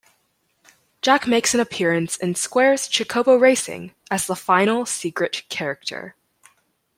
Jack makes an appearance in Square's "Chocobo Racing" as the final secret character.